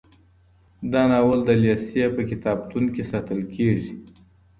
دا ناول د لېسې په کتابتون کي ساتل کیږي.